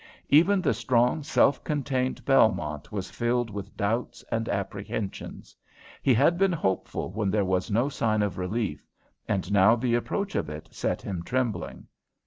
Even the strong, self contained Belmont was filled with doubts and apprehensions. He had been hopeful when there was no sign of relief, and now the approach of it set him trembling.